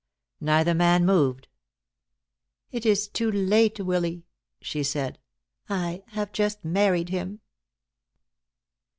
Neither man moved. "It is too late, Willy," she said. "I have just married him."